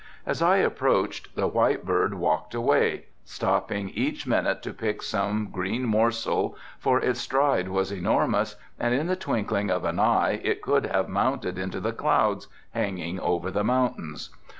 As I approached the white bird walked away, stopping each minute to pick some green morsel, for its stride was enormous and in the twinkling of an eye it could have mounted into the clouds, hanging over the mountains.